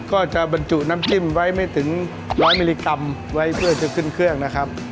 ก็จะบรรจุน้ำจิ้มไว้ไม่ถึงร้อยมิลลิกรัมไว้เพื่อจะขึ้นเครื่องนะครับ